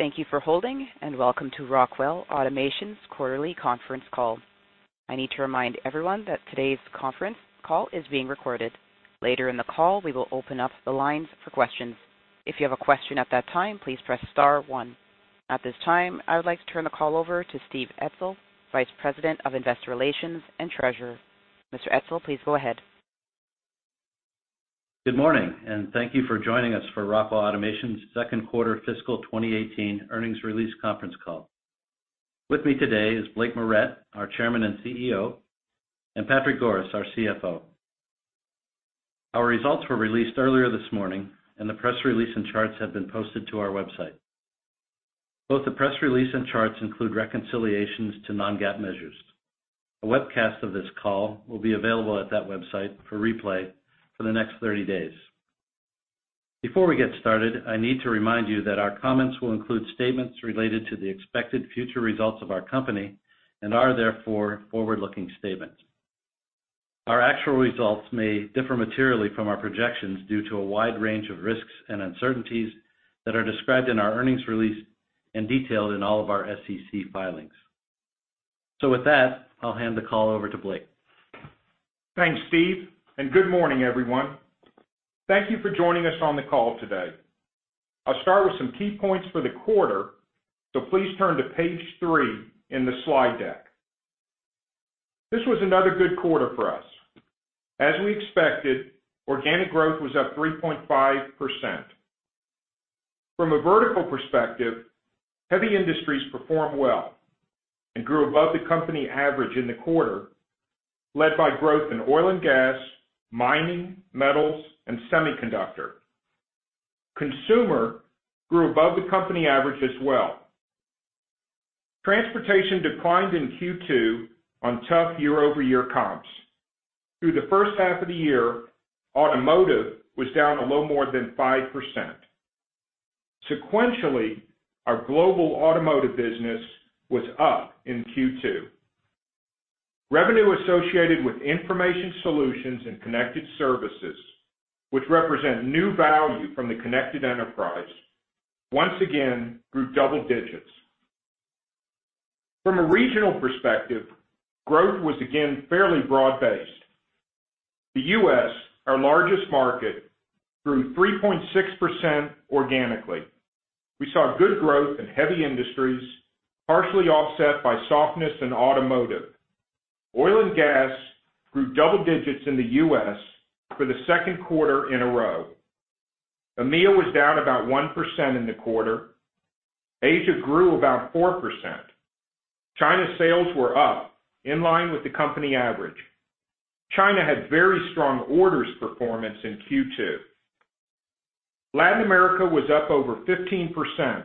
Thank you for holding, and welcome to Rockwell Automation's quarterly conference call. I need to remind everyone that today's conference call is being recorded. Later in the call, we will open up the lines for questions. If you have a question at that time, please press star one. At this time, I would like to turn the call over to Steve Etzel, Vice President of Investor Relations and Treasurer. Mr. Etzel, please go ahead. Good morning, and thank you for joining us for Rockwell Automation's second quarter fiscal 2018 earnings release conference call. With me today is Blake Moret, our Chairman and CEO, and Patrick Goris, our CFO. Our results were released earlier this morning, and the press release and charts have been posted to our website. Both the press release and charts include reconciliations to non-GAAP measures. A webcast of this call will be available at that website for replay for the next 30 days. Before we get started, I need to remind you that our comments will include statements related to the expected future results of our company and are therefore, forward-looking statements. Our actual results may differ materially from our projections due to a wide range of risks and uncertainties that are described in our earnings release and detailed in all of our SEC filings. With that, I'll hand the call over to Blake. Thanks, Steve, and good morning, everyone. Thank you for joining us on the call today. I'll start with some key points for the quarter, please turn to page three in the slide deck. This was another good quarter for us. As we expected, organic growth was up 3.5%. From a vertical perspective, heavy industries performed well and grew above the company average in the quarter, led by growth in oil and gas, mining, metals, and semiconductor. Consumer grew above the company average as well. Transportation declined in Q2 on tough year-over-year comps. Through the first half of the year, automotive was down a little more than 5%. Sequentially, our global automotive business was up in Q2. Revenue associated with information solutions and connected services, which represent new value from The Connected Enterprise, once again grew double digits. From a regional perspective, growth was again fairly broad-based. The U.S., our largest market, grew 3.6% organically. We saw good growth in heavy industries, partially offset by softness in automotive. Oil and gas grew double digits in the U.S. for the second quarter in a row. EMEA was down about 1% in the quarter. Asia grew about 4%. China sales were up, in line with the company average. China had very strong orders performance in Q2. Latin America was up over 15%,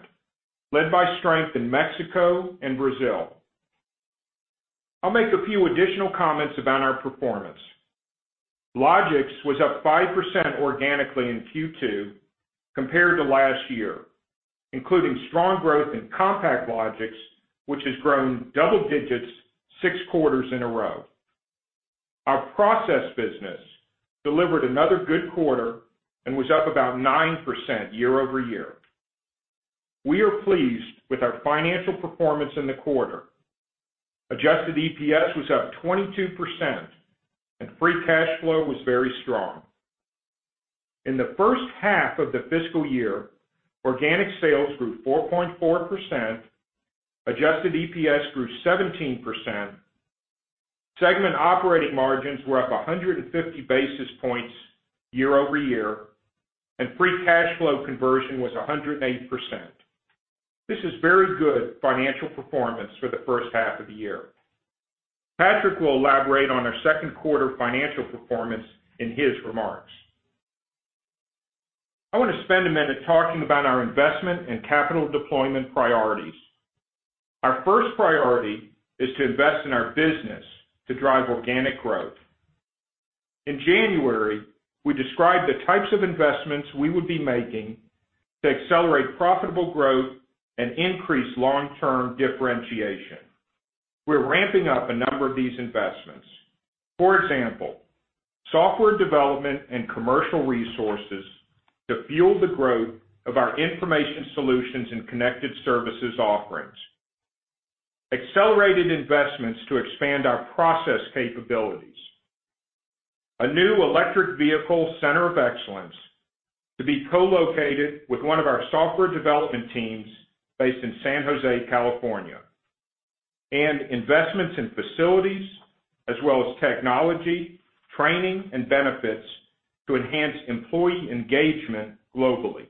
led by strength in Mexico and Brazil. I'll make a few additional comments about our performance. Logix was up 5% organically in Q2 compared to last year, including strong growth in CompactLogix, which has grown double digits six quarters in a row. Our process business delivered another good quarter and was up about 9% year-over-year. We are pleased with our financial performance in the quarter. Adjusted EPS was up 22%, and free cash flow was very strong. In the first half of the fiscal year, organic sales grew 4.4%, adjusted EPS grew 17%, segment operating margins were up 150 basis points year-over-year, and free cash flow conversion was 108%. This is very good financial performance for the first half of the year. Patrick will elaborate on our second quarter financial performance in his remarks. I want to spend a minute talking about our investment and capital deployment priorities. Our first priority is to invest in our business to drive organic growth. In January, we described the types of investments we would be making to accelerate profitable growth and increase long-term differentiation. We're ramping up a number of these investments. For example, software development and commercial resources to fuel the growth of our information solutions and connected services offerings. Accelerated investments to expand our process capabilities. A new electric vehicle center of excellence to be co-located with one of our software development teams based in San Jose, California. Investments in facilities as well as technology, training, and benefits to enhance employee engagement globally.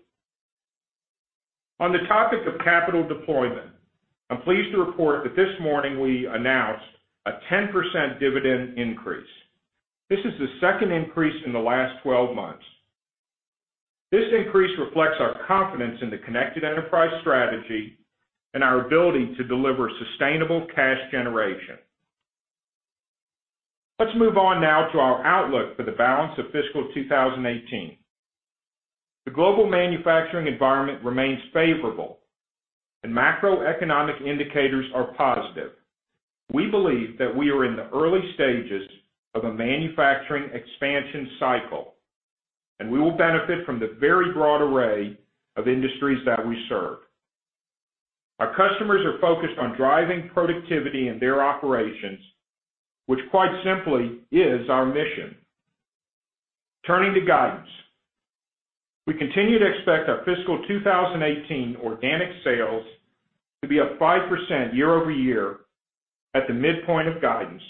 On the topic of capital deployment, I'm pleased to report that this morning we announced a 10% dividend increase. This is the second increase in the last 12 months. This increase reflects our confidence in The Connected Enterprise strategy and our ability to deliver sustainable cash generation. Let's move on now to our outlook for the balance of fiscal 2018. The global manufacturing environment remains favorable and macroeconomic indicators are positive. We believe that we are in the early stages of a manufacturing expansion cycle. We will benefit from the very broad array of industries that we serve. Our customers are focused on driving productivity in their operations, which quite simply is our mission. Turning to guidance. We continue to expect our fiscal 2018 organic sales to be up 5% year-over-year at the midpoint of guidance,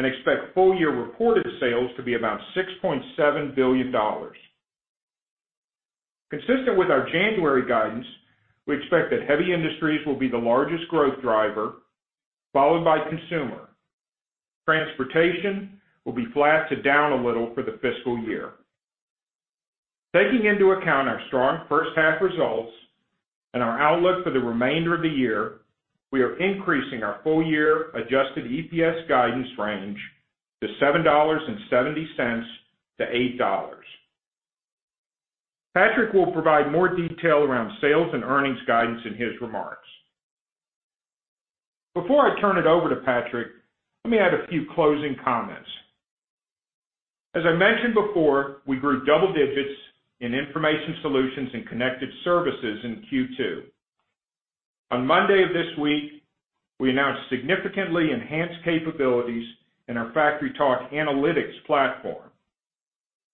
and expect full year reported sales to be about $6.7 billion. Consistent with our January guidance, we expect that heavy industries will be the largest growth driver, followed by consumer. Transportation will be flat to down a little for the fiscal year. Taking into account our strong first half results and our outlook for the remainder of the year, we are increasing our full year adjusted EPS guidance range to $7.70-$8.00. Patrick will provide more detail around sales and earnings guidance in his remarks. Before I turn it over to Patrick, let me add a few closing comments. As I mentioned before, we grew double-digits in information solutions and connected services in Q2. On Monday of this week, we announced significantly enhanced capabilities in our FactoryTalk Analytics platform.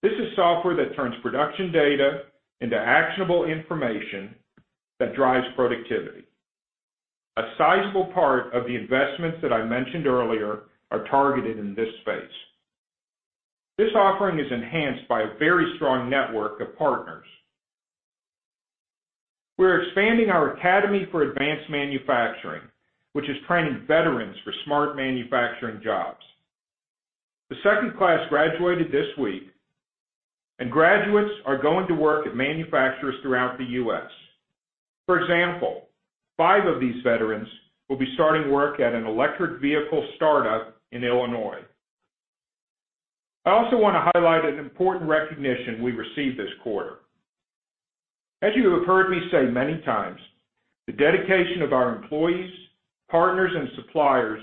This is software that turns production data into actionable information that drives productivity. A sizable part of the investments that I mentioned earlier are targeted in this space. This offering is enhanced by a very strong network of partners. We're expanding our Academy for Advanced Manufacturing, which is training veterans for smart manufacturing jobs. The second class graduated this week, and graduates are going to work at manufacturers throughout the U.S. For example, five of these veterans will be starting work at an electric vehicle startup in Illinois. I also want to highlight an important recognition we received this quarter. As you have heard me say many times, the dedication of our employees, partners, and suppliers,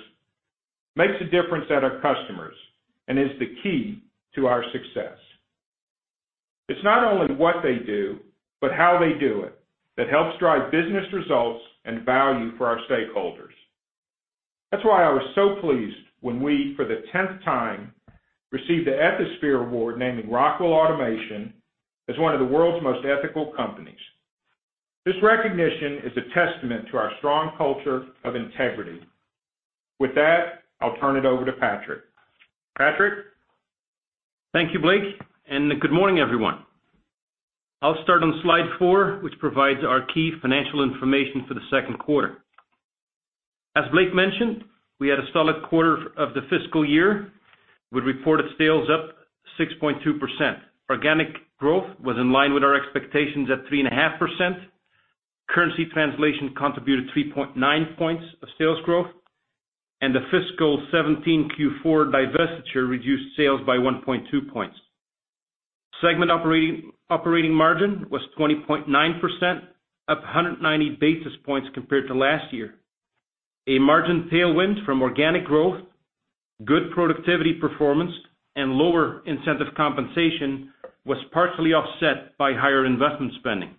makes a difference at our customers and is the key to our success. It's not only what they do, but how they do it that helps drive business results and value for our stakeholders. That's why I was so pleased when we, for the tenth time, received the Ethisphere award naming Rockwell Automation as one of the world's most ethical companies. This recognition is a testament to our strong culture of integrity. With that, I'll turn it over to Patrick. Patrick? Thank you, Blake, good morning, everyone. I'll start on slide four, which provides our key financial information for the second quarter. As Blake mentioned, we had a solid quarter of the fiscal year with reported sales up 6.2%. Organic growth was in line with our expectations at 3.5%. Currency translation contributed 3.9 points of sales growth, the fiscal 2017 Q4 divestiture reduced sales by 1.2 points. Segment operating margin was 20.9%, up 190 basis points compared to last year. A margin tailwind from organic growth, good productivity performance, and lower incentive compensation was partially offset by higher investment spending.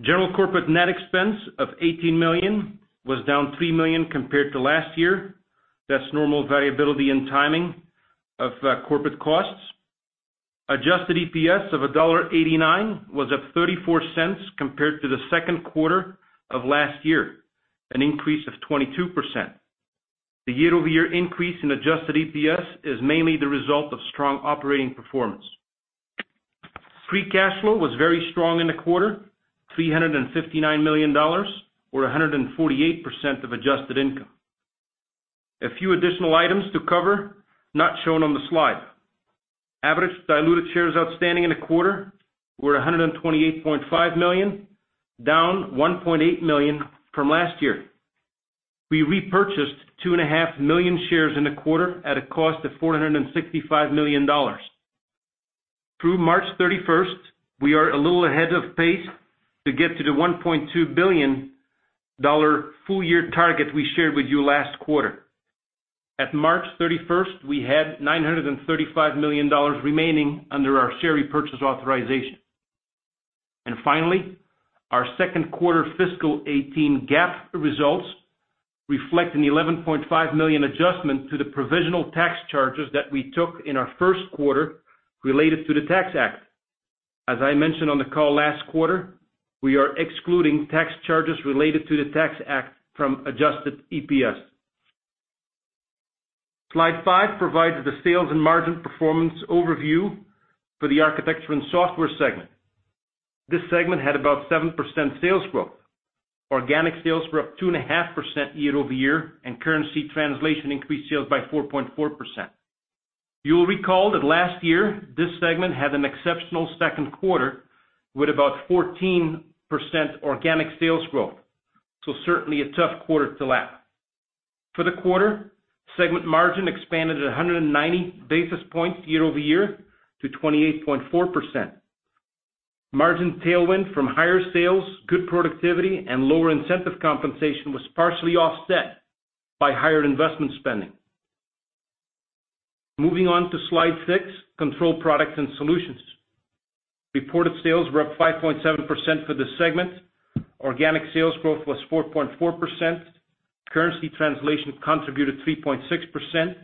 General corporate net expense of $18 million was down $3 million compared to last year. That's normal variability in timing of corporate costs. Adjusted EPS of $1.89 was up $0.34 compared to the second quarter of last year, an increase of 22%. The year-over-year increase in adjusted EPS is mainly the result of strong operating performance. Free cash flow was very strong in the quarter, $359 million, or 148% of adjusted income. A few additional items to cover not shown on the slide. Average diluted shares outstanding in the quarter were 128.5 million, down 1.8 million from last year. We repurchased 2.5 million shares in the quarter at a cost of $465 million. Through March 31st, we are a little ahead of pace to get to the $1.2 billion full year target we shared with you last quarter. At March 31st, we had $935 million remaining under our share repurchase authorization. Finally, our second quarter fiscal 2018 GAAP results reflect an $11.5 million adjustment to the provisional tax charges that we took in our first quarter related to the Tax Act. As I mentioned on the call last quarter, we are excluding tax charges related to the Tax Act from adjusted EPS. Slide five provides the sales and margin performance overview for the Architecture & Software segment. This segment had about 7% sales growth. Organic sales were up 2.5% year-over-year, and currency translation increased sales by 4.4%. You'll recall that last year, this segment had an exceptional second quarter with about 14% organic sales growth. Certainly a tough quarter to lap. For the quarter, segment margin expanded at 190 basis points year-over-year to 28.4%. Margin tailwind from higher sales, good productivity, and lower incentive compensation was partially offset by higher investment spending. Moving on to slide six, Control Products & Solutions. Reported sales were up 5.7% for this segment. Organic sales growth was 4.4%. Currency translation contributed 3.6%,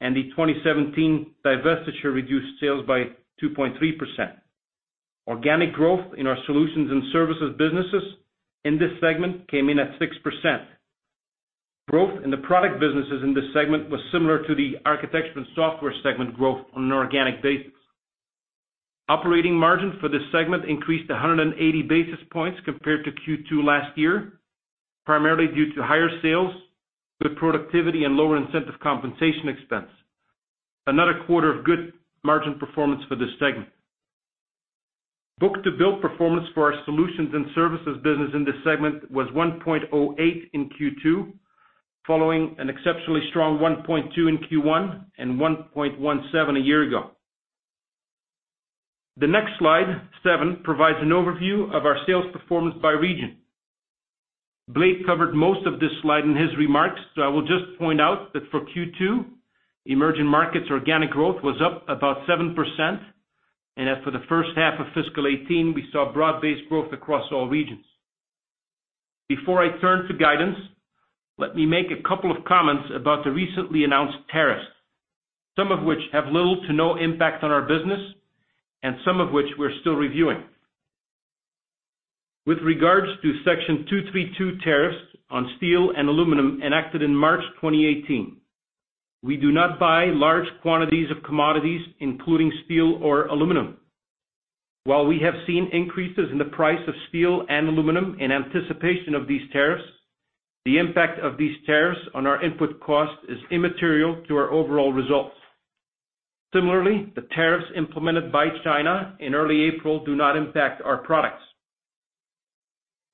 and the 2017 divestiture reduced sales by 2.3%. Organic growth in our solutions and services businesses in this segment came in at 6%. Growth in the product businesses in this segment was similar to the Architecture & Software segment growth on an organic basis. Operating margin for this segment increased 180 basis points compared to Q2 last year, primarily due to higher sales, good productivity, and lower incentive compensation expense. Another quarter of good margin performance for this segment. Book-to-bill performance for our solutions and services business in this segment was 1.08 in Q2, following an exceptionally strong 1.2 in Q1 and 1.17 a year ago. The next slide, seven, provides an overview of our sales performance by region. Blake covered most of this slide in his remarks, I will just point out that for Q2, emerging markets organic growth was up about 7%, and as for the first half of fiscal 2018, we saw broad-based growth across all regions. Before I turn to guidance, let me make a couple of comments about the recently announced tariffs, some of which have little to no impact on our business, and some of which we're still reviewing. With regards to Section 232 tariffs on steel and aluminum enacted in March 2018, we do not buy large quantities of commodities, including steel or aluminum. While we have seen increases in the price of steel and aluminum in anticipation of these tariffs, the impact of these tariffs on our input cost is immaterial to our overall results. Similarly, the tariffs implemented by China in early April do not impact our products.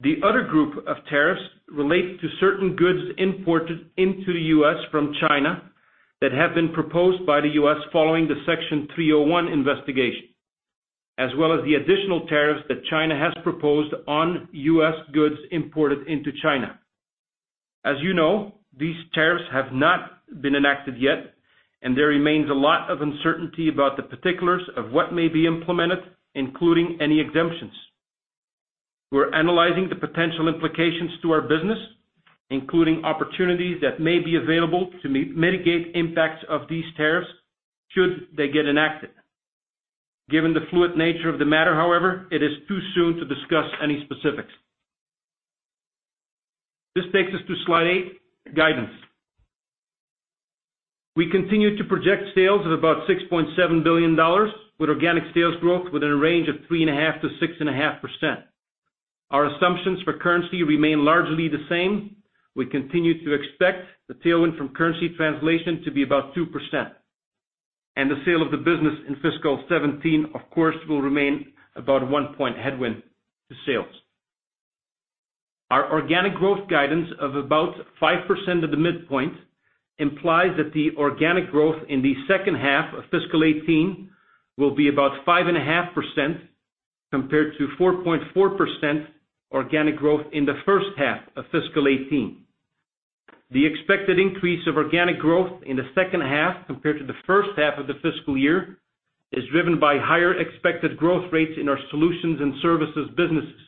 The other group of tariffs relate to certain goods imported into the U.S. from China that have been proposed by the U.S. following the Section 301 investigation, as well as the additional tariffs that China has proposed on U.S. goods imported into China. As you know, these tariffs have not been enacted yet, and there remains a lot of uncertainty about the particulars of what may be implemented, including any exemptions. We're analyzing the potential implications to our business, including opportunities that may be available to mitigate impacts of these tariffs should they get enacted. Given the fluid nature of the matter, however, it is too soon to discuss any specifics. This takes us to slide eight, Guidance. We continue to project sales at about $6.7 billion with organic sales growth within a range of 3.5%-6.5%. Our assumptions for currency remain largely the same. We continue to expect the tailwind from currency translation to be about 2%. The sale of the business in fiscal 2017, of course, will remain about one point headwind to sales. Our organic growth guidance of about 5% at the midpoint implies that the organic growth in the second half of fiscal 2018 will be about 5.5%, compared to 4.4% organic growth in the first half of fiscal 2018. The expected increase of organic growth in the second half compared to the first half of the fiscal year is driven by higher expected growth rates in our solutions and services businesses,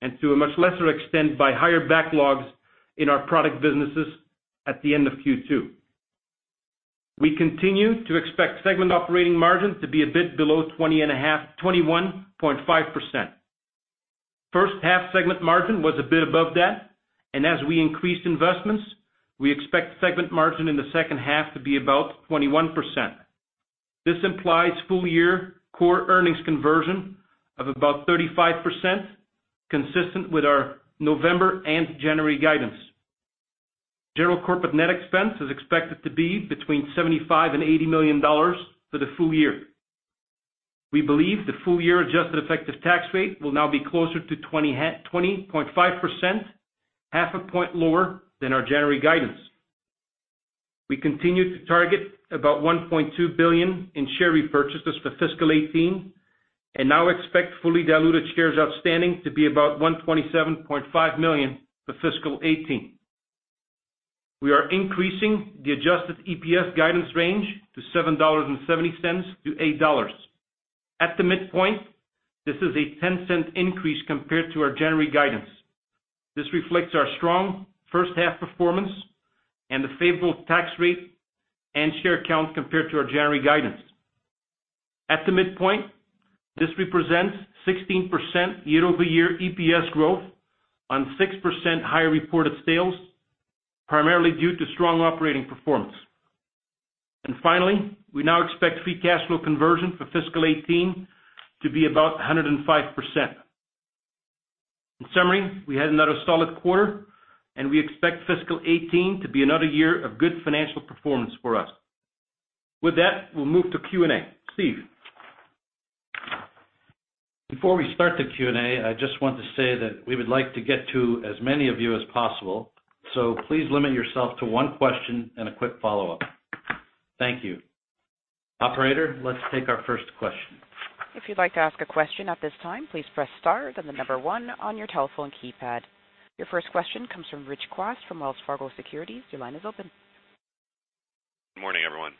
and to a much lesser extent by higher backlogs in our product businesses at the end of Q2. We continue to expect segment operating margins to be a bit below 21.5%. First half segment margin was a bit above that. As we increase investments, we expect segment margin in the second half to be about 21%. This implies full-year core earnings conversion of about 35%, consistent with our November and January guidance. General corporate net expense is expected to be between $75 million and $80 million for the full year. We believe the full-year adjusted effective tax rate will now be closer to 20.5%, half a point lower than our January guidance. We continue to target about $1.2 billion in share repurchases for fiscal 2018, and now expect fully diluted shares outstanding to be about 127.5 million for fiscal 2018. We are increasing the adjusted EPS guidance range to $7.70 to $8. At the midpoint, this is a $0.10 increase compared to our January guidance. This reflects our strong first half performance and the favorable tax rate and share count compared to our January guidance. At the midpoint, this represents 16% year-over-year EPS growth on 6% higher reported sales, primarily due to strong operating performance. Finally, we now expect free cash flow conversion for fiscal 2018 to be about 105%. In summary, we had another solid quarter. We expect fiscal 2018 to be another year of good financial performance for us. With that, we'll move to Q&A. Steve? Before we start the Q&A, I just want to say that we would like to get to as many of you as possible. Please limit yourself to one question and a quick follow-up. Thank you. Operator, let's take our first question. If you'd like to ask a question at this time, please press star then the number 1 on your telephone keypad. Your first question comes from Rich Kwas from Wells Fargo Securities. Your line is open. Good morning, everyone.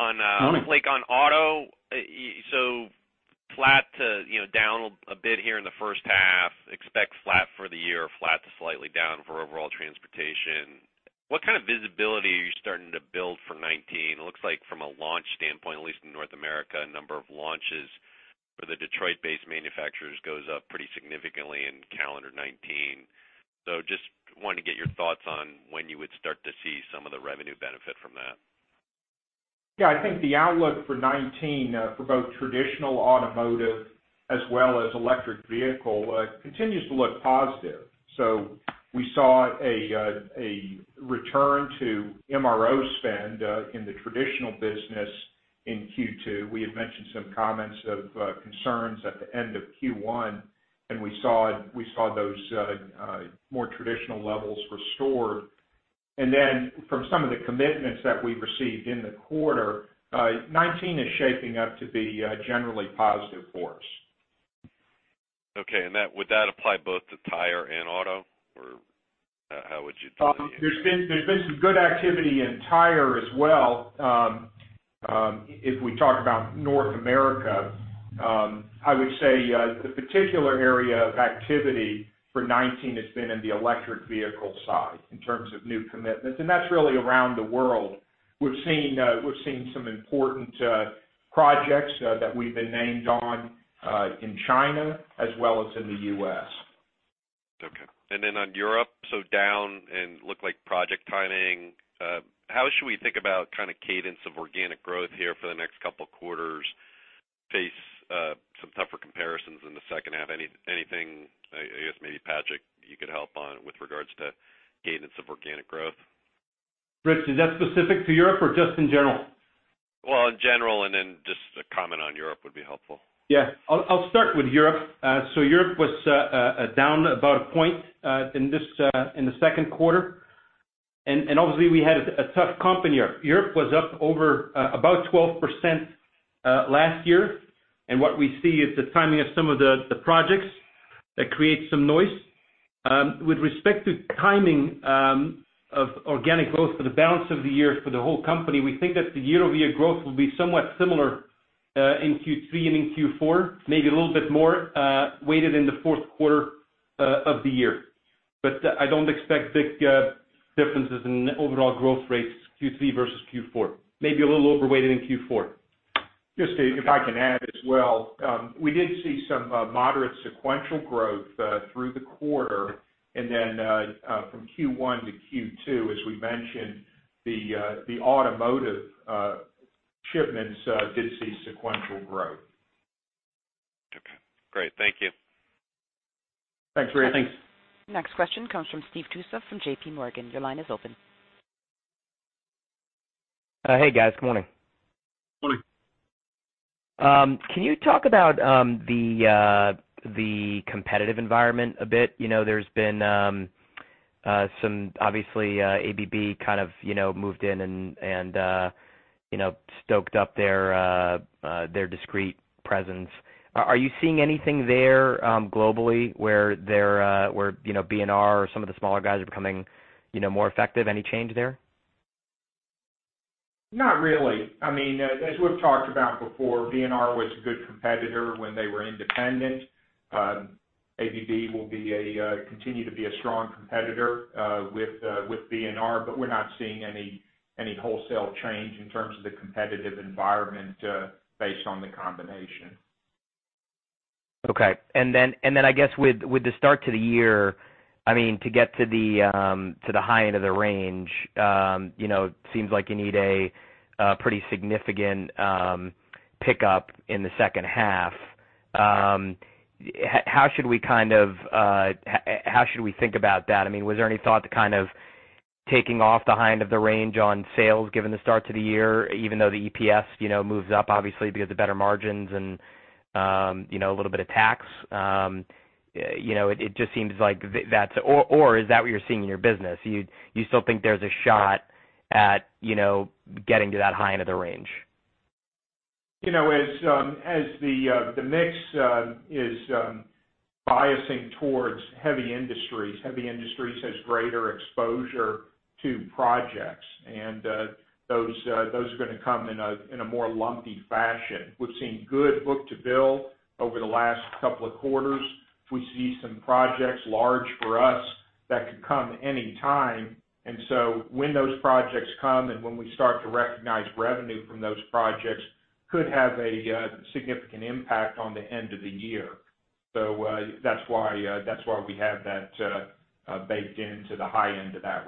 It looks like on auto, flat to down a bit here in the first half, expect flat for the year, flat to slightly down for overall transportation. What kind of visibility are you starting to build for 2019? It looks like from a launch standpoint, at least in North America, a number of launches for the Detroit-based manufacturers goes up pretty significantly in calendar 2019. Just wanted to get your thoughts on when you would start to see some of the revenue benefit from that. I think the outlook for 2019, for both traditional automotive as well as electric vehicle, continues to look positive. We saw a return to MRO spend in the traditional business in Q2. We had mentioned some comments of concerns at the end of Q1. We saw those more traditional levels restored. From some of the commitments that we've received in the quarter, 2019 is shaping up to be generally positive for us. Okay, would that apply both to tire and auto? How would you tie it in? There's been some good activity in tire as well. We talk about North America, I would say the particular area of activity for 2019 has been in the electric vehicle side in terms of new commitments, that's really around the world. We've seen some important projects that we've been named on in China as well as in the U.S. Okay. On Europe, down and look like project timing. How should we think about kind of cadence of organic growth here for the next couple of quarters face some tougher comparisons in the second half? Anything, I guess maybe Patrick, you could help on with regards to cadence of organic growth? Rich, is that specific to Europe or just in general? Well, in general, then just a comment on Europe would be helpful. Yeah. I'll start with Europe. Europe was down about a point in the second quarter. Obviously, we had a tough comp in Europe. Europe was up over about 12% last year. What we see is the timing of some of the projects that create some noise. With respect to timing of organic growth for the balance of the year for the whole company, we think that the year-over-year growth will be somewhat similar in Q3 and in Q4, maybe a little bit more weighted in the fourth quarter of the year. I don't expect big differences in overall growth rates Q3 versus Q4. Maybe a little overweighted in Q4. Just if I can add as well. We did see some moderate sequential growth through the quarter. Then from Q1 to Q2, as we mentioned, the automotive shipments did see sequential growth. Okay, great. Thank you. Thanks, Rich. Thanks. Next question comes from Steve Tusa from JPMorgan. Your line is open. Hey, guys. Good morning. Morning. Can you talk about the competitive environment a bit? There's been obviously, ABB kind of moved in and stoked up their discrete presence. Are you seeing anything there globally where B&R or some of the smaller guys are becoming more effective? Any change there? Not really. As we've talked about before, B&R was a good competitor when they were independent. ABB will continue to be a strong competitor with B&R, we're not seeing any wholesale change in terms of the competitive environment based on the combination. Okay. I guess with the start to the year, to get to the high end of the range, seems like you need a pretty significant pickup in the second half. How should we think about that? Was there any thought to kind of taking off the high end of the range on sales given the start to the year, even though the EPS moves up obviously because of better margins and a little bit of tax? Is that what you're seeing in your business? You still think there's a shot at getting to that high end of the range? As the mix is biasing towards heavy industries, heavy industries has greater exposure to projects, those are going to come in a more lumpy fashion. We've seen good book to bill over the last couple of quarters. We see some projects large for us that could come any time. When those projects come and when we start to recognize revenue from those projects could have a significant impact on the end of the year. That's why we have that baked into the high end of that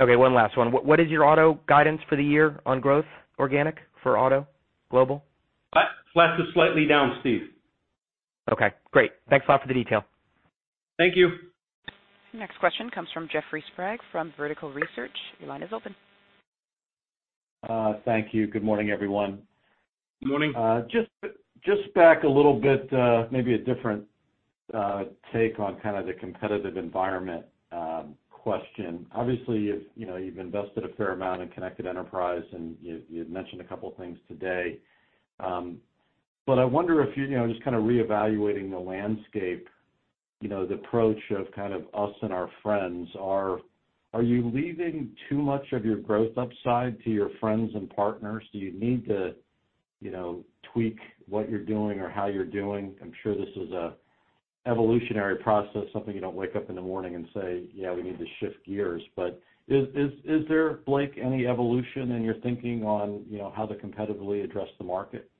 range. Okay, one last one. What is your auto guidance for the year on growth, organic for auto global? Flat to slightly down, Steve. Okay, great. Thanks a lot for the detail. Thank you. Next question comes from Jeffrey Sprague from Vertical Research. Your line is open. Thank you. Good morning, everyone. Good morning. Just back a little bit, maybe a different take on the competitive environment question. Obviously, you've invested a fair amount in The Connected Enterprise, and you'd mentioned a couple things today. I wonder if, just kind of reevaluating the landscape, the approach of kind of us and our friends, are you leaving too much of your growth upside to your friends and partners? Do you need to tweak what you're doing or how you're doing? I'm sure this is a evolutionary process, something you don't wake up in the morning and say, "Yeah, we need to shift gears." Is there, Blake, any evolution in your thinking on how to competitively address the market?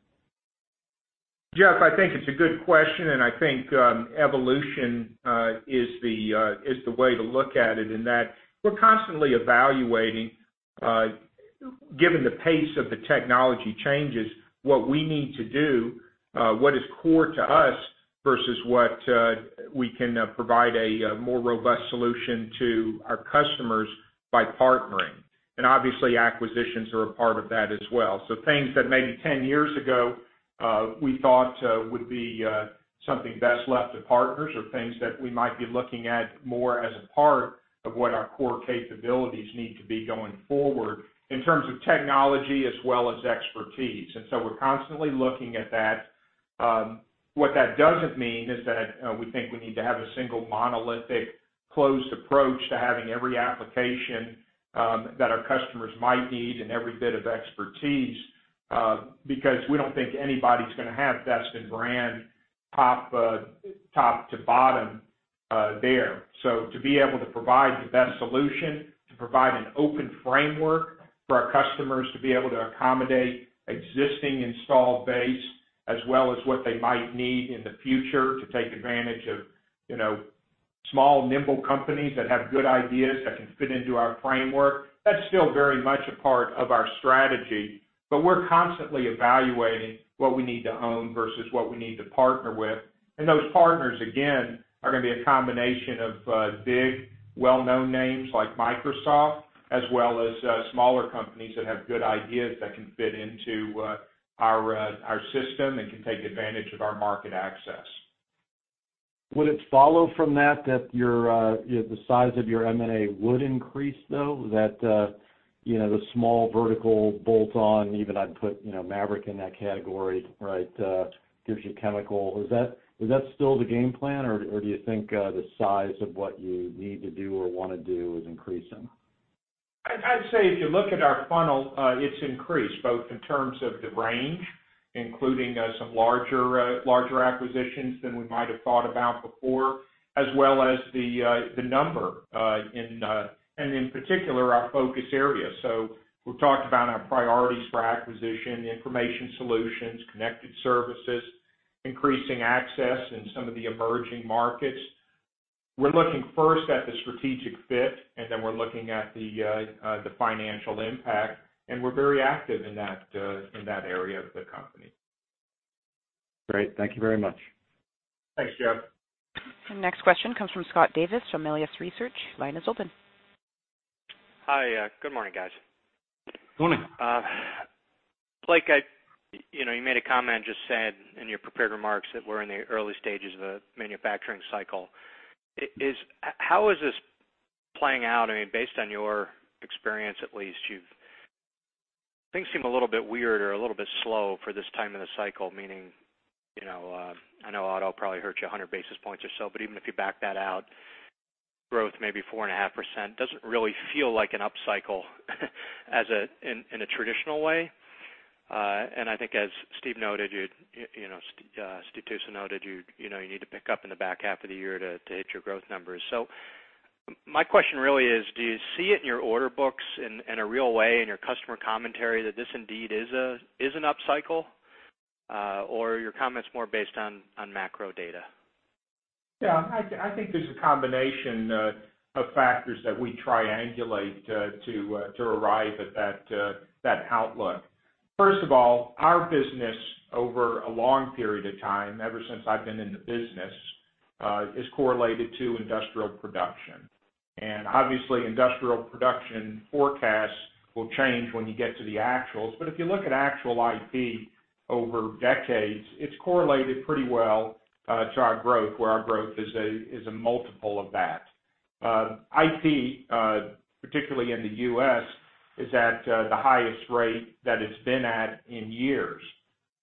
Jeff, I think it's a good question. I think evolution is the way to look at it in that we're constantly evaluating, given the pace of the technology changes, what we need to do, what is core to us versus what we can provide a more robust solution to our customers by partnering. Obviously, acquisitions are a part of that as well. Things that maybe 10 years ago, we thought would be something best left to partners or things that we might be looking at more as a part of what our core capabilities need to be going forward in terms of technology as well as expertise. We're constantly looking at that. What that doesn't mean is that we think we need to have a single monolithic closed approach to having every application that our customers might need and every bit of expertise, because we don't think anybody's going to have best in brand, top to bottom there. To be able to provide the best solution, to provide an open framework for our customers to be able to accommodate existing installed base, as well as what they might need in the future to take advantage of small, nimble companies that have good ideas that can fit into our framework, that's still very much a part of our strategy. We're constantly evaluating what we need to own versus what we need to partner with. Those partners, again, are going to be a combination of big, well-known names like Microsoft, as well as smaller companies that have good ideas that can fit into our system and can take advantage of our market access. Would it follow from that the size of your M&A would increase, though? That the small vertical bolt-on, even I'd put MAVERICK in that category, gives you chemical. Is that still the game plan, or do you think the size of what you need to do or want to do is increasing? I'd say if you look at our funnel, it's increased both in terms of the range, including some larger acquisitions than we might have thought about before, as well as the number, and in particular, our focus area. We've talked about our priorities for acquisition, information solutions, connected services, increasing access in some of the emerging markets. We're looking first at the strategic fit, then we're looking at the financial impact, and we're very active in that area of the company. Great. Thank you very much. Thanks, Jeff. Next question comes from Scott Davis from Melius Research. Line is open. Hi. Good morning, guys. Good morning. Blake, you made a comment, just said in your prepared remarks that we're in the early stages of a manufacturing cycle. How is this playing out? Based on your experience at least, things seem a little bit weird or a little bit slow for this time in the cycle, meaning, I know auto probably hurts you 100 basis points or so, but even if you back that out, growth may be 4.5%, doesn't really feel like an up cycle in a traditional way. I think as Steve Tusa noted, you need to pick up in the back half of the year to hit your growth numbers. My question really is, do you see it in your order books in a real way, in your customer commentary that this indeed is an up cycle? Are your comments more based on macro data? I think there's a combination of factors that we triangulate to arrive at that outlook. First of all, our business over a long period of time, ever since I've been in the business, is correlated to industrial production. Obviously industrial production forecasts will change when you get to the actuals. If you look at actual IP over decades, it's correlated pretty well to our growth, where our growth is a multiple of that. IP, particularly in the U.S., is at the highest rate that it's been at in years.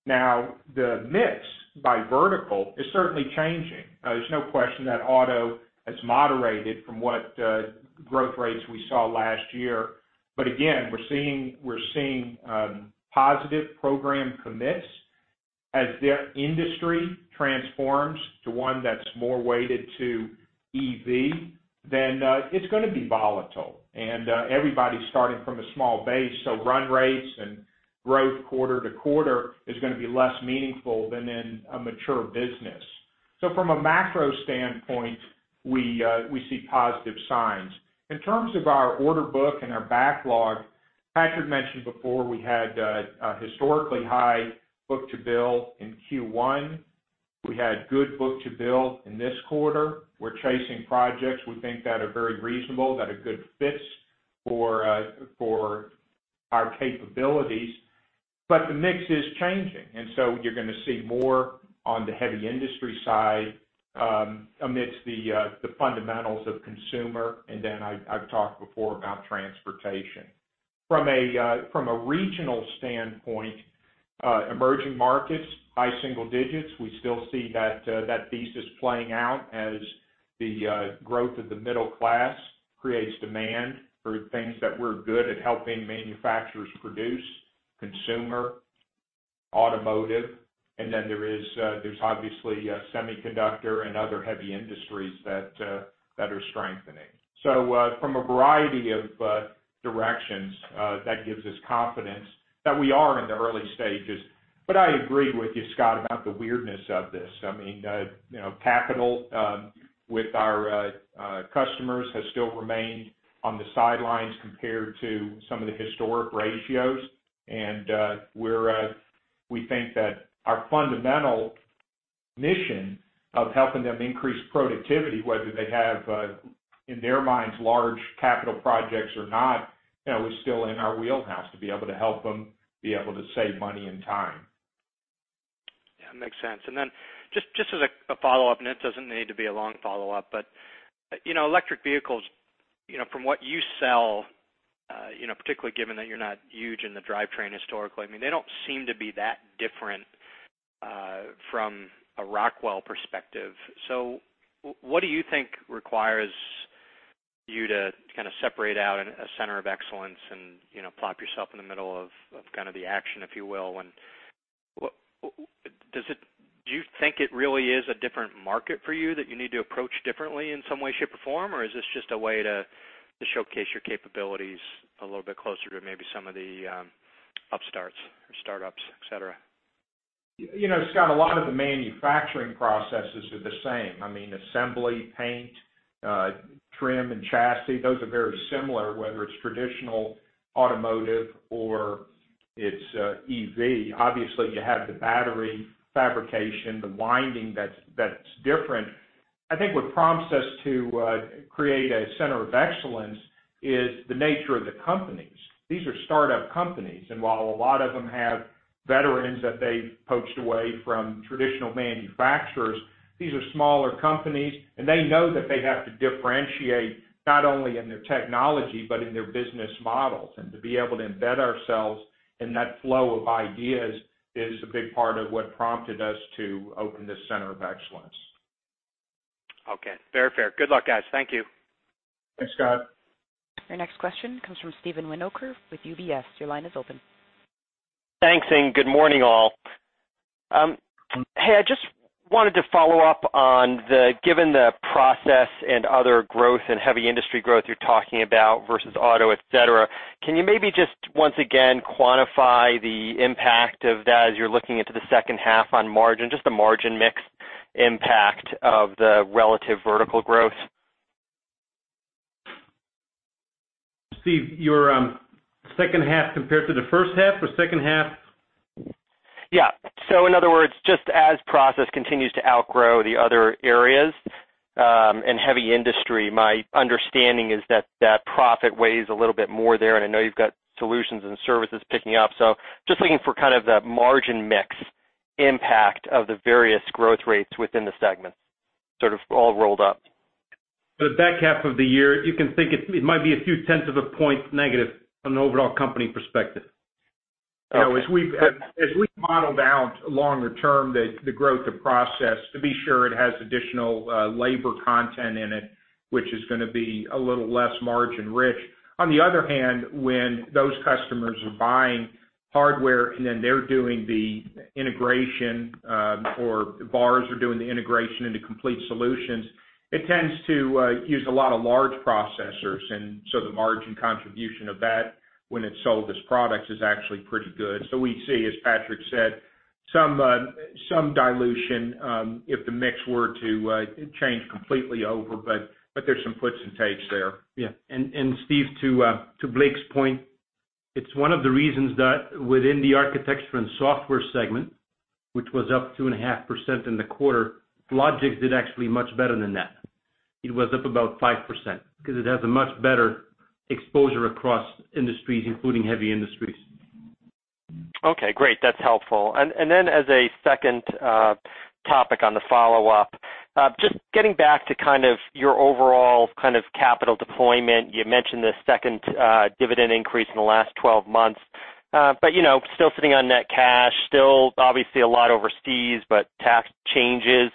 Now, the mix by vertical is certainly changing. There's no question that auto has moderated from what growth rates we saw last year. Again, we're seeing positive program commits. As their industry transforms to one that's more weighted to EV, then it's going to be volatile. Everybody's starting from a small base, so run rates and growth quarter to quarter is going to be less meaningful than in a mature business. From a macro standpoint, we see positive signs. In terms of our order book and our backlog, Patrick mentioned before we had a historically high book-to-bill in Q1. We had good book-to-bill in this quarter. We're chasing projects we think that are very reasonable, that are good fits for our capabilities. The mix is changing, and so you're going to see more on the heavy industry side amidst the fundamentals of consumer, and then I've talked before about transportation. From a regional standpoint, emerging markets, high single digits, we still see that thesis playing out as the growth of the middle class creates demand for things that we're good at helping manufacturers produce, consumer, automotive, and then there's obviously semiconductor and other heavy industries that are strengthening. From a variety of directions, that gives us confidence that we are in the early stages. I agree with you, Scott, about the weirdness of this. Capital with our customers has still remained on the sidelines compared to some of the historic ratios, and we think that our fundamental mission of helping them increase productivity, whether they have, in their minds, large capital projects or not, is still in our wheelhouse, to be able to help them be able to save money and time. Yeah, makes sense. Just as a follow-up, and it doesn't need to be a long follow-up, electric vehicles, from what you sell, particularly given that you're not huge in the drivetrain historically, they don't seem to be that different from a Rockwell perspective. What do you think requires you to kind of separate out a center of excellence and plop yourself in the middle of the action, if you will? Do you think it really is a different market for you that you need to approach differently in some way, shape, or form, or is this just a way to showcase your capabilities a little bit closer to maybe some of the upstarts or startups, et cetera? Scott, a lot of the manufacturing processes are the same. Assembly, paint, trim, and chassis, those are very similar, whether it's traditional automotive or it's EV. Obviously, you have the battery fabrication, the winding that's different. I think what prompts us to create a center of excellence is the nature of the companies. These are startup companies, and while a lot of them have veterans that they've poached away from traditional manufacturers, these are smaller companies, and they know that they have to differentiate not only in their technology but in their business models. To be able to embed ourselves in that flow of ideas is a big part of what prompted us to open this center of excellence. Okay. Fair. Good luck, guys. Thank you. Thanks, Scott. Your next question comes from Steve Winoker with UBS. Your line is open. Thanks, good morning, all. Hey, I just wanted to follow up on, given the process and other growth and heavy industry growth you're talking about versus auto, et cetera, can you maybe just once again quantify the impact of that as you're looking into the second half on margin, just the margin mix impact of the relative vertical growth? Steve, your second half compared to the first half, or second half? In other words, just as process continues to outgrow the other areas and heavy industry, my understanding is that that profit weighs a little bit more there, and I know you've got solutions and services picking up. Just looking for kind of the margin mix impact of the various growth rates within the segments, sort of all rolled up. For the back half of the year, you can think it might be a few tenths of a point negative from an overall company perspective. Okay. As we've modeled out longer term, the growth to process, to be sure, it has additional labor content in it, which is going to be a little less margin rich. On the other hand, when those customers are buying hardware and then they're doing the integration, or VARs are doing the integration into complete solutions, it tends to use a lot of large processors, and the margin contribution of that when it's sold as products is actually pretty good. We see, as Patrick said, some dilution if the mix were to change completely over, but there's some puts and takes there. Yeah. Steve, to Blake's point, it's one of the reasons that within the Architecture & Software segment, which was up 2.5% in the quarter, Logix did actually much better than that. It was up about 5% because it has a much better exposure across industries, including heavy industries. Okay, great. That's helpful. As a second topic on the follow-up, just getting back to kind of your overall capital deployment, you mentioned the second dividend increase in the last 12 months. Still sitting on net cash, still obviously a lot overseas, tax changes.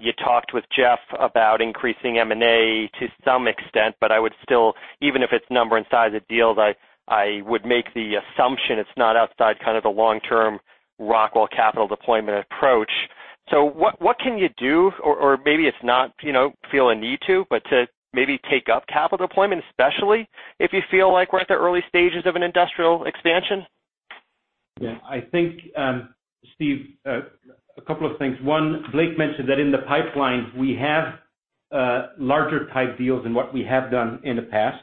You talked with Jeffrey Sprague about increasing M&A to some extent, I would still, even if it's number and size of deals, I would make the assumption it's not outside kind of the long-term Rockwell Automation capital deployment approach. What can you do, or maybe it's not feel a need to, but to maybe take up capital deployment, especially if you feel like we're at the early stages of an industrial expansion? Yeah. I think, Steve Etzel, a couple of things. One, Blake Moret mentioned that in the pipeline, we have larger type deals than what we have done in the past.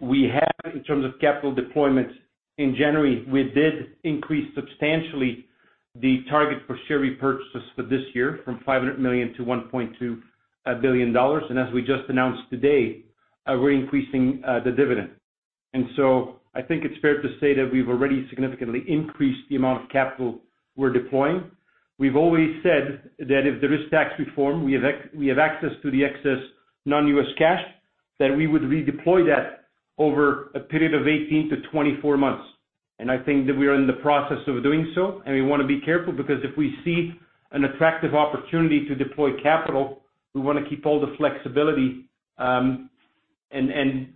We have in terms of capital deployments in January, we did increase substantially the target for share repurchases for this year from $500 million to $1.2 billion. As we just announced today, we're increasing the dividend. I think it's fair to say that we've already significantly increased the amount of capital we're deploying. We've always said that if there is tax reform, we have access to the excess non-U.S. cash, that we would redeploy that over a period of 18 to 24 months. I think that we are in the process of doing so, and we want to be careful because if we see an attractive opportunity to deploy capital, we want to keep all the flexibility, and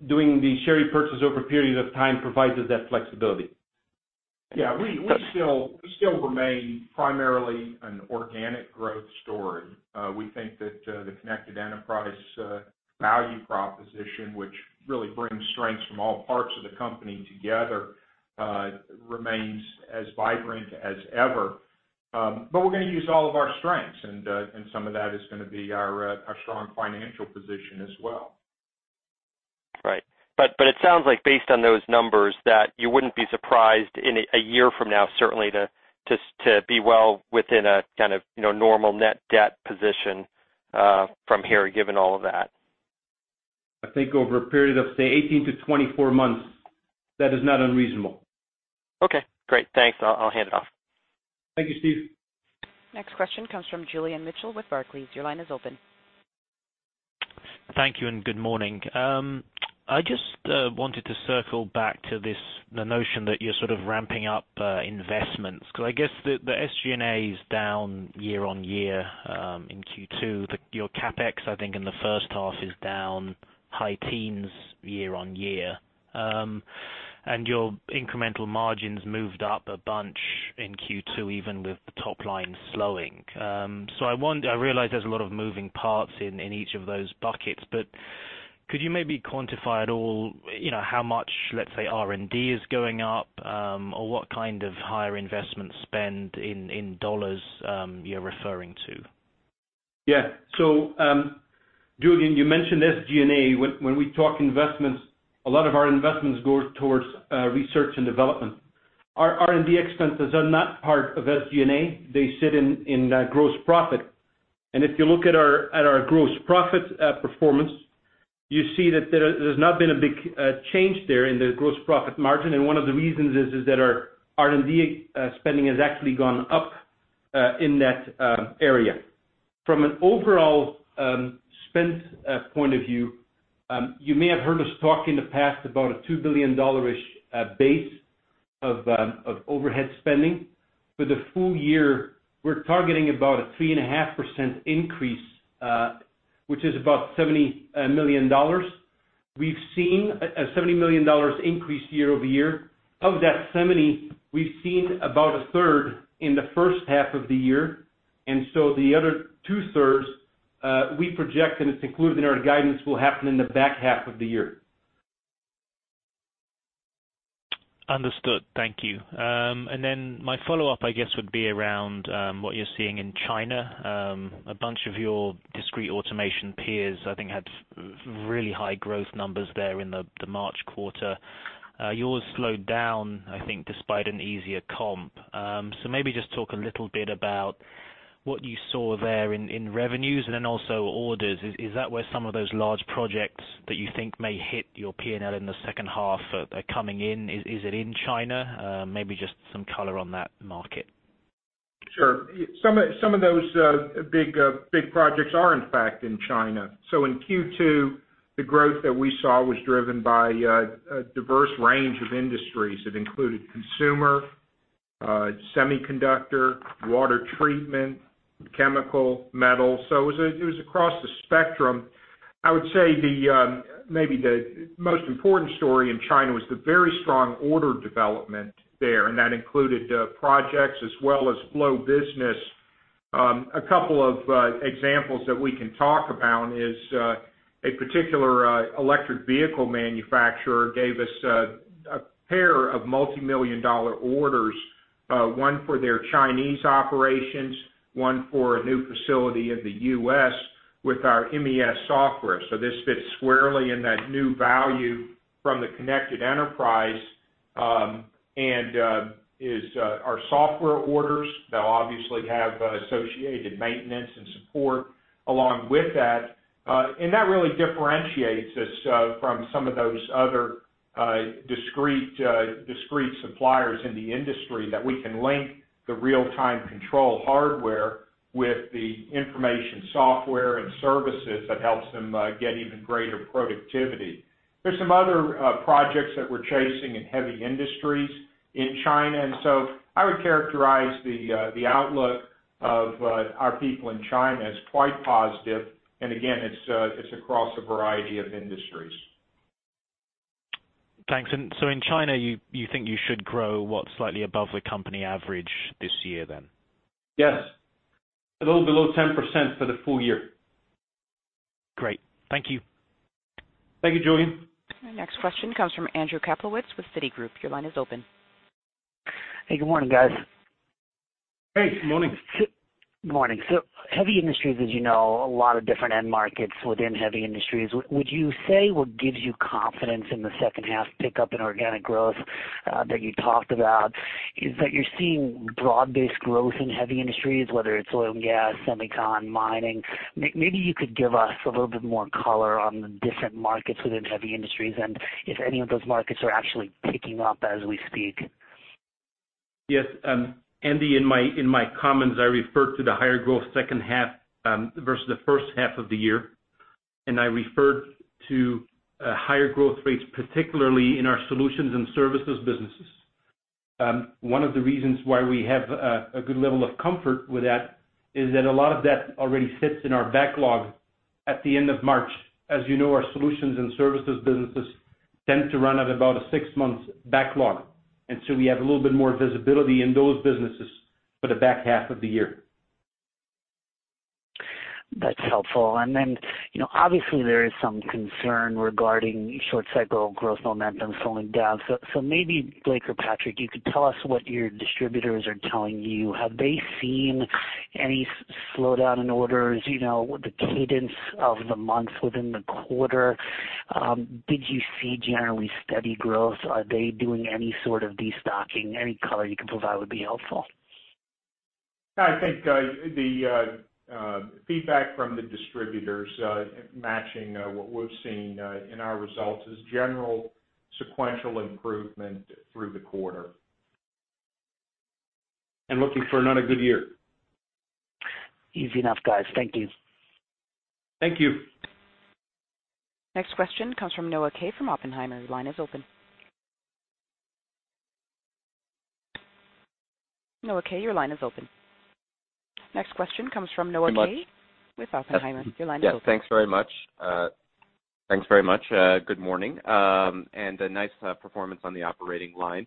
doing the share repurchase over a period of time provides us that flexibility. Yeah. We still remain primarily an organic growth story. We think that The Connected Enterprise value proposition, which really brings strengths from all parts of the company together, remains as vibrant as ever. We're going to use all of our strengths, and some of that is going to be our strong financial position as well. Right. It sounds like based on those numbers, that you wouldn't be surprised in a year from now, certainly to be well within a kind of normal net debt position from here, given all of that. I think over a period of, say, 18-24 months, that is not unreasonable. Okay, great. Thanks. I'll hand it off. Thank you, Steve. Next question comes from Julian Mitchell with Barclays. Your line is open. Thank you. Good morning. I just wanted to circle back to this, the notion that you're sort of ramping up investments, because I guess the SG&A is down year-over-year in Q2. Your CapEx, I think in the first half is down high teens year-over-year. Your incremental margins moved up a bunch in Q2 even with the top line slowing. I realize there's a lot of moving parts in each of those buckets, but could you maybe quantify at all how much, let's say, R&D is going up? Or what kind of higher investment spend in dollars you're referring to? Julian, you mentioned SG&A. When we talk investments, a lot of our investments go towards research and development. Our R&D expenses are not part of SG&A. They sit in gross profit. If you look at our gross profit performance, you see that there's not been a big change there in the gross profit margin, and one of the reasons is that our R&D spending has actually gone up in that area. From an overall spend point of view, you may have heard us talk in the past about a $2 billion-ish base of overhead spending. For the full year, we're targeting about a 3.5% increase, which is about $70 million. We've seen a $70 million increase year-over-year. Of that 70, we've seen about a third in the first half of the year. The other two-thirds, we project and it's included in our guidance will happen in the back half of the year. Understood. Thank you. My follow-up, I guess, would be around what you're seeing in China. A bunch of your discrete automation peers, I think, had really high growth numbers there in the March quarter. Yours slowed down, I think, despite an easier comp. Maybe just talk a little bit about what you saw there in revenues and then also orders. Is that where some of those large projects that you think may hit your P&L in the second half are coming in? Is it in China? Maybe just some color on that market. Sure. Some of those big projects are in fact in China. In Q2, the growth that we saw was driven by a diverse range of industries that included consumer, semiconductor, water treatment, chemical, metal. It was across the spectrum. I would say maybe the most important story in China was the very strong order development there, and that included projects as well as flow business. A couple of examples that we can talk about is a particular electric vehicle manufacturer gave us a pair of multimillion-dollar orders, one for their Chinese operations, one for a new facility in the U.S. with our MES software. This fits squarely in that new value from The Connected Enterprise, and is our software orders. They'll obviously have associated maintenance and support along with that. That really differentiates us from some of those other discrete suppliers in the industry that we can link the real-time control hardware with the information software and services that helps them get even greater productivity. There's some other projects that we're chasing in heavy industries in China, and so I would characterize the outlook of our people in China as quite positive, and again it's across a variety of industries. Thanks. In China, you think you should grow what? Slightly above the company average this year then? Yes. A little below 10% for the full year. Great. Thank you. Thank you, Julian. Next question comes from Andrew Kaplowitz with Citigroup. Your line is open. Hey, good morning, guys. Hey, good morning. Good morning. Heavy industries, as you know, a lot of different end markets within heavy industries. Would you say what gives you confidence in the second half pickup in organic growth that you talked about is that you're seeing broad-based growth in heavy industries, whether it's oil and gas, semicon, mining? Maybe you could give us a little bit more color on the different markets within heavy industries and if any of those markets are actually picking up as we speak. Yes. Andy, in my comments, I referred to the higher growth second half versus the first half of the year, and I referred to higher growth rates, particularly in our solutions and services businesses. One of the reasons why we have a good level of comfort with that is that a lot of that already sits in our backlog at the end of March. As you know, our solutions and services businesses tend to run at about a six months backlog. We have a little bit more visibility in those businesses for the back half of the year. That's helpful. Obviously there is some concern regarding short cycle growth momentum slowing down. Maybe Blake or Patrick, you could tell us what your distributors are telling you. Have they seen any slowdown in orders? The cadence of the months within the quarter. Did you see generally steady growth? Are they doing any sort of destocking? Any color you can provide would be helpful. I think the feedback from the distributors matching what we've seen in our results is general sequential improvement through the quarter. Looking for another good year. Easy enough, guys. Thank you. Thank you. Next question comes from Noah Kaye from Oppenheimer. Your line is open. Noah Kaye, your line is open. Thanks with Oppenheimer. Your line is open. Yeah. Thanks very much. Good morning. A nice performance on the operating line.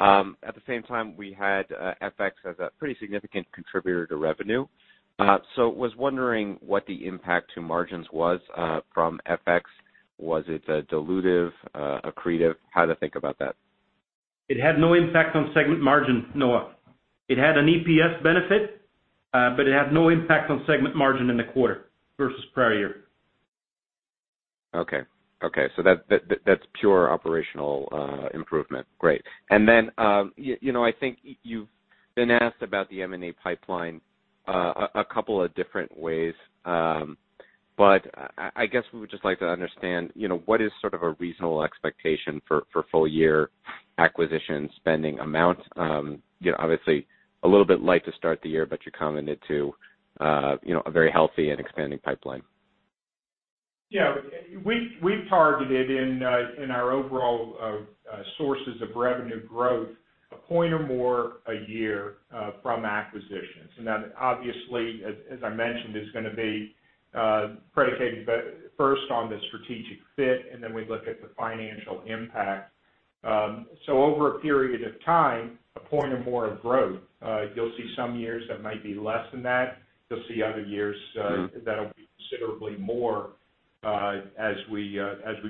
At the same time, we had FX as a pretty significant contributor to revenue. I was wondering what the impact to margins was from FX. Was it dilutive, accretive? How to think about that. It had no impact on segment margin, Noah. It had an EPS benefit. It had no impact on segment margin in the quarter versus prior year. Okay. That's pure operational improvement. Great. I think you've been asked about the M&A pipeline a couple of different ways. I guess we would just like to understand, what is sort of a reasonable expectation for full year acquisition spending amount? Obviously, a little bit light to start the year, but you commented to a very healthy and expanding pipeline. Yeah. We've targeted in our overall sources of revenue growth, a point or more a year from acquisitions. That obviously, as I mentioned, is going to be predicated first on the strategic fit, and then we look at the financial impact. Over a period of time, a point or more of growth. You'll see some years that might be less than that. You'll see other years that'll be considerably more as we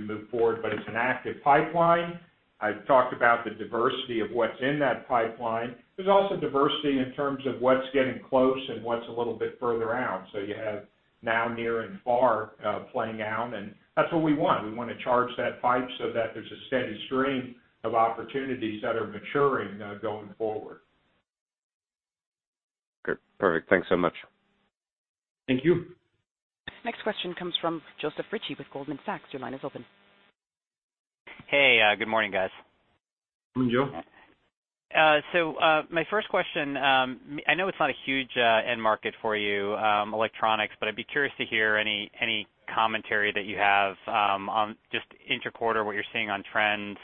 move forward. It's an active pipeline. I've talked about the diversity of what's in that pipeline. There's also diversity in terms of what's getting close and what's a little bit further out. You have now, near, and far playing out, and that's what we want. We want to charge that pipe so that there's a steady stream of opportunities that are maturing going forward. Good. Perfect. Thanks so much. Thank you. Next question comes from Joe Ritchie with Goldman Sachs. Your line is open. Hey, good morning, guys. Good morning, Joe. My first question, I know it's not a huge end market for you, electronics, but I'd be curious to hear any commentary that you have on just inter-quarter, what you're seeing on trends.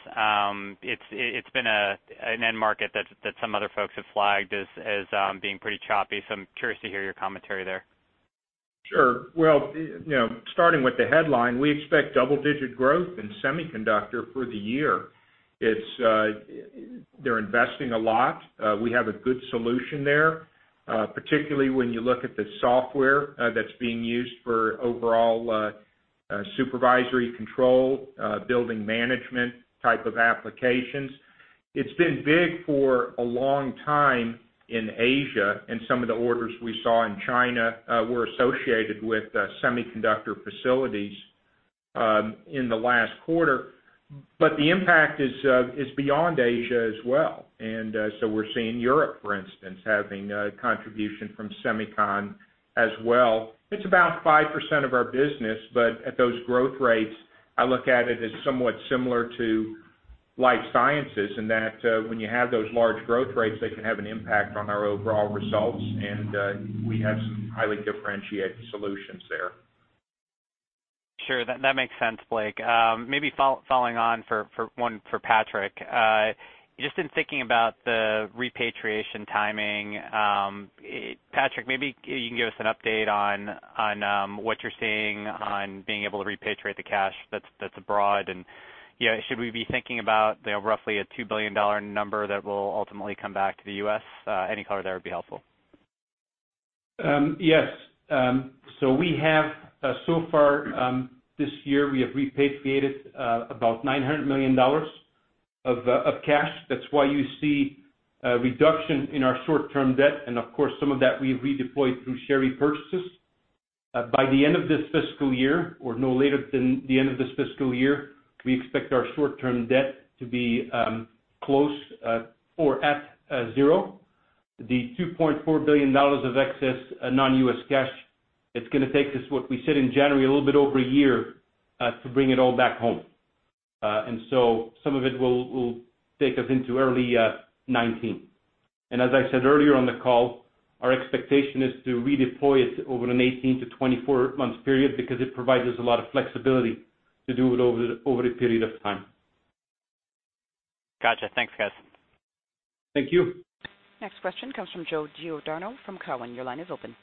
It's been an end market that some other folks have flagged as being pretty choppy, so I'm curious to hear your commentary there. Sure. Well, starting with the headline, we expect double-digit growth in semiconductor for the year. They're investing a lot. We have a good solution there, particularly when you look at the software that's being used for overall supervisory control, building management type of applications. It's been big for a long time in Asia, and some of the orders we saw in China were associated with semiconductor facilities in the last quarter. The impact is beyond Asia as well. We're seeing Europe, for instance, having a contribution from semicon as well. It's about 5% of our business, but at those growth rates, I look at it as somewhat similar to life sciences in that when you have those large growth rates, they can have an impact on our overall results, and we have some highly differentiated solutions there. Sure, that makes sense, Blake. Maybe following on for one for Patrick. Just in thinking about the repatriation timing, Patrick, maybe you can give us an update on what you're seeing on being able to repatriate the cash that's abroad, and should we be thinking about roughly a $2 billion number that will ultimately come back to the U.S.? Any color there would be helpful. Yes. So far this year, we have repatriated about $900 million of cash. That's why you see a reduction in our short-term debt, and of course, some of that we've redeployed through share repurchases. By the end of this fiscal year, or no later than the end of this fiscal year, we expect our short-term debt to be close or at zero. The $2.4 billion of excess non-U.S. cash, it's going to take us, what we said in January, a little bit over a year, to bring it all back home. Some of it will take us into early 2019. As I said earlier on the call, our expectation is to redeploy it over an 18-24 month period because it provides us a lot of flexibility to do it over a period of time. Got you. Thanks, guys. Thank you. Next question comes from Joe Giordano from Cowen. Your line is open.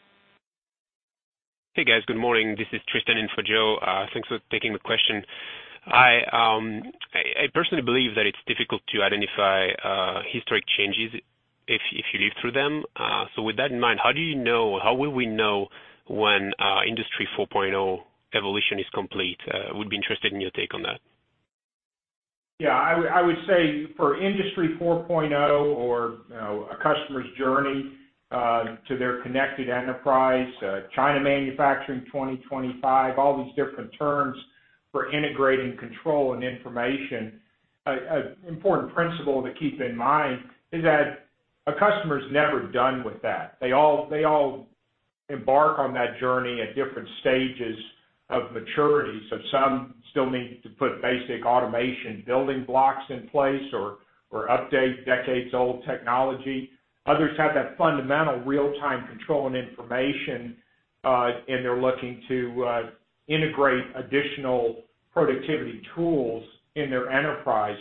Hey, guys. Good morning. This is Tristan in for Joe. Thanks for taking the question. I personally believe that it's difficult to identify historic changes if you live through them. With that in mind, how will we know when Industry 4.0 evolution is complete? Would be interested in your take on that. Yeah. I would say for Industry 4.0 or a customer's journey to The Connected Enterprise, Made in China 2025, all these different terms for integrating control and information, an important principle to keep in mind is that a customer's never done with that. They all embark on that journey at different stages of maturity. Some still need to put basic automation building blocks in place or update decades-old technology. Others have that fundamental real-time control and information, and they're looking to integrate additional productivity tools in their enterprise.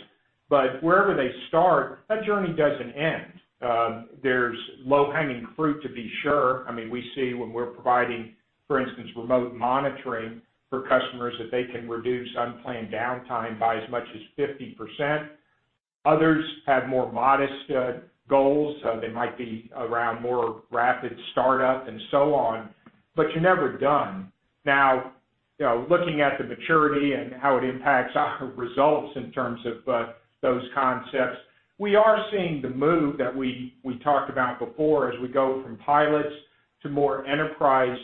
Wherever they start, that journey doesn't end. There's low-hanging fruit to be sure. We see when we're providing, for instance, remote monitoring for customers, that they can reduce unplanned downtime by as much as 50%. Others have more modest goals. They might be around more rapid startup and so on, but you're never done. Looking at the maturity and how it impacts our results in terms of those concepts, we are seeing the move that we talked about before as we go from pilots to more enterprise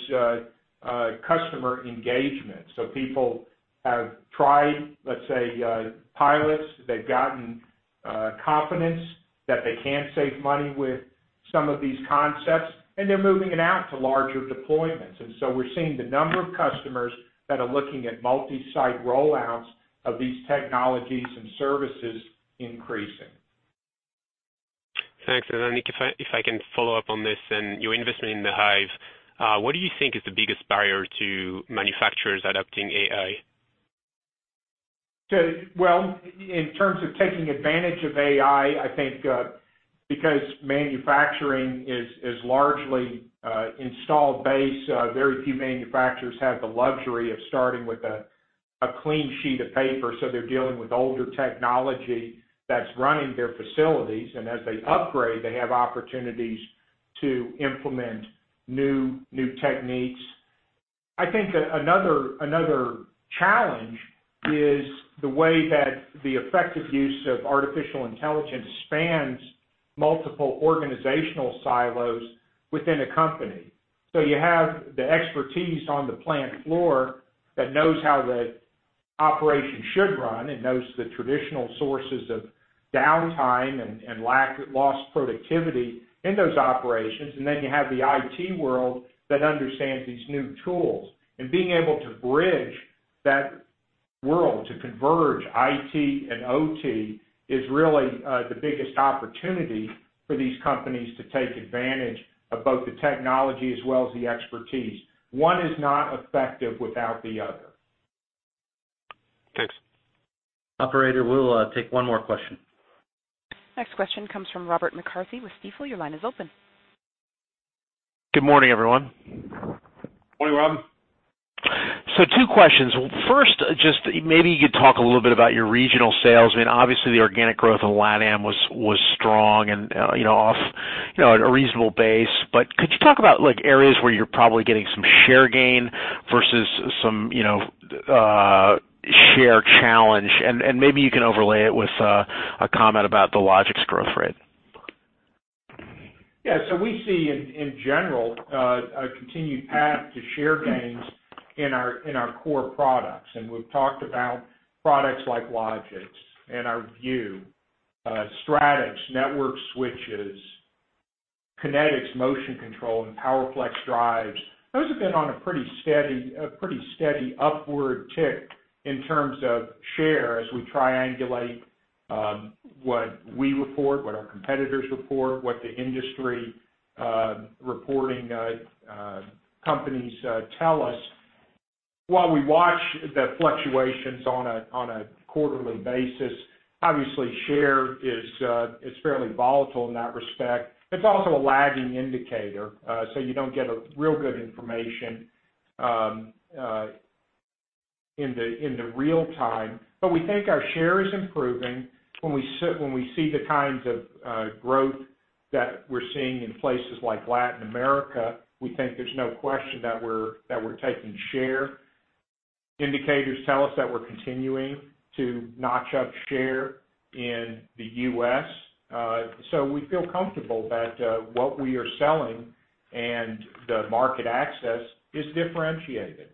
customer engagement. People have tried, let's say, pilots, they've gotten confidence that they can save money with some of these concepts, and they're moving it out to larger deployments. We're seeing the number of customers that are looking at multi-site rollouts of these technologies and services increasing. Thanks. Patrick, if I can follow up on this and your investment in The Hive, what do you think is the biggest barrier to manufacturers adopting AI? Well, in terms of taking advantage of AI, I think, because manufacturing is largely installed base, very few manufacturers have the luxury of starting with a clean sheet of paper. They're dealing with older technology that's running their facilities, and as they upgrade, they have opportunities to implement new techniques. I think another challenge is the way that the effective use of artificial intelligence spans multiple organizational silos within a company. You have the expertise on the plant floor that knows how the operation should run and knows the traditional sources of downtime and lost productivity in those operations, and then you have the IT world that understands these new tools. Being able to bridge that world to converge IT and OT is really the biggest opportunity for these companies to take advantage of both the technology as well as the expertise. One is not effective without the other. Thanks. Operator, we'll take one more question. Next question comes from Robert McCarthy with Stifel. Your line is open. Good morning, everyone. Morning, Rob. Two questions. First, just maybe you could talk a little bit about your regional sales. Obviously, the organic growth in LATAM was strong and off at a reasonable base. Could you talk about areas where you're probably getting some share gain versus some share challenge? Maybe you can overlay it with a comment about the Logix growth rate. Yeah. We see, in general, a continued path to share gains in our core products. We've talked about products like Logix and our View, Stratix network switches, Kinetix motion control, and PowerFlex drives. Those have been on a pretty steady upward tick in terms of share as we triangulate what we report, what our competitors report, what the industry reporting companies tell us. While we watch the fluctuations on a quarterly basis, obviously share is fairly volatile in that respect. It's also a lagging indicator, so you don't get real good information In the real time. We think our share is improving. When we see the kinds of growth that we're seeing in places like Latin America, we think there's no question that we're taking share. Indicators tell us that we're continuing to notch up share in the U.S. We feel comfortable that what we are selling and the market access is differentiated.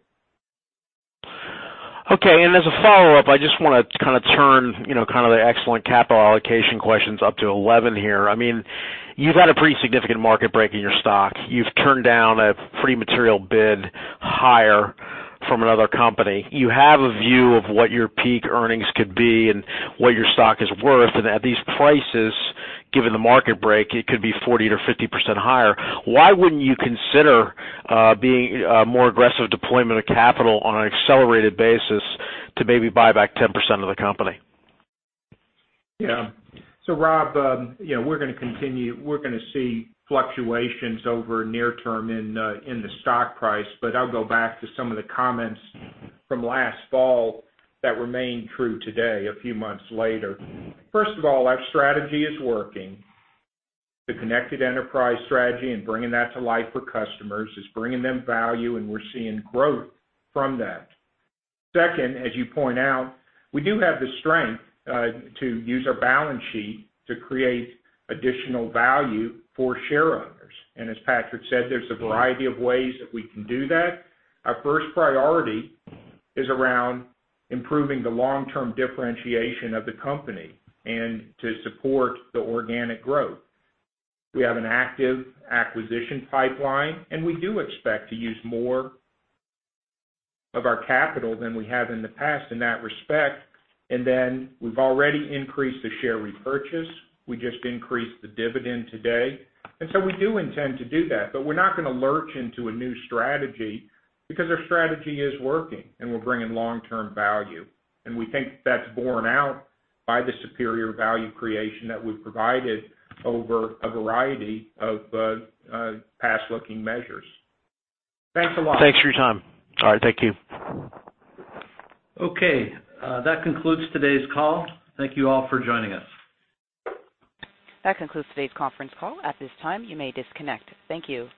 Okay, as a follow-up, I just want to kind of turn kind of the excellent capital allocation questions up to 11 here. You've had a pretty significant market break in your stock. You've turned down a pretty material bid higher from another company. You have a view of what your peak earnings could be and what your stock is worth, and at these prices, given the market break, it could be 40%-50% higher. Why wouldn't you consider being more aggressive deployment of capital on an accelerated basis to maybe buy back 10% of the company? Yeah. Rob, we're going to see fluctuations over near term in the stock price, but I'll go back to some of the comments from last fall that remain true today, a few months later. First of all, our strategy is working. The Connected Enterprise strategy and bringing that to life for customers is bringing them value, and we're seeing growth from that. Second, as you point out, we do have the strength to use our balance sheet to create additional value for share owners. As Patrick said, there's a variety of ways that we can do that. Our first priority is around improving the long-term differentiation of the company and to support the organic growth. We have an active acquisition pipeline, and we do expect to use more of our capital than we have in the past in that respect, and then we've already increased the share repurchase. We just increased the dividend today. We do intend to do that. We're not going to lurch into a new strategy because our strategy is working, and we're bringing long-term value. We think that's borne out by the superior value creation that we've provided over a variety of past-looking measures. Thanks a lot. Thanks for your time. All right, thank you. Okay. That concludes today's call. Thank you all for joining us. That concludes today's conference call. At this time, you may disconnect. Thank you.